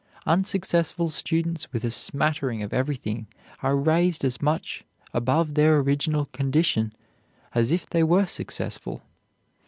Unsuccessful students with a smattering of everything are raised as much above their original condition as if they were successful.